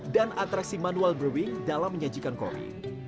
dan atraksi manual brewing dalam menyajikan kopi